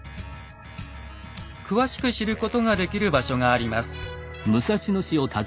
詳しく知ることができる場所があります。